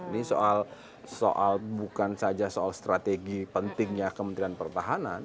ini soal bukan saja soal strategi pentingnya kementerian pertahanan